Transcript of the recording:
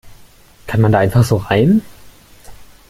Kann man da einfach so rein?